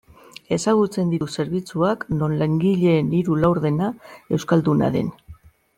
Ezagutzen ditut zerbitzuak non langileen hiru laurdena euskalduna den.